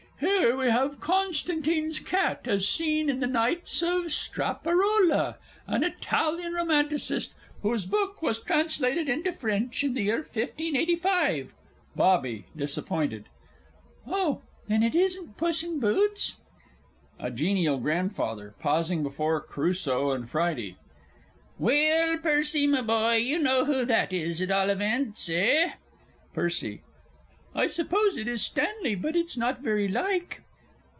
"Here we have Constantine's Cat, as seen in the Nights of Straparola, an Italian romancist, whose book was translated into French in the year 1585 " BOBBY (disappointed). Oh, then it isn't Puss in Boots! A GENIAL GRANDFATHER (pausing before Crusoe and Friday). Well, Percy, my boy, you know who that is, at all events eh? PERCY. I suppose it is Stanley but it's not very like.